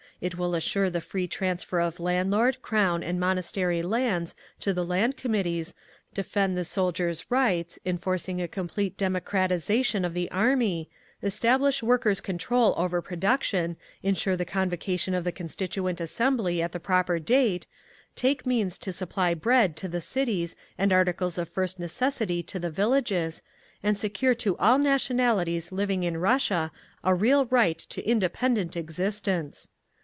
It will assure the free transfer of landlord, crown and monastery lands to the Land Committees, defend the soldiers rights, enforcing a complete democratisation of the Army, establish workers' control over production, ensure the convocation of the Constituent Assembly at the proper date, take means to supply bread to the cities and articles of first necessity to the villages, and secure to all nationalities living in Russia a real right to independent existence.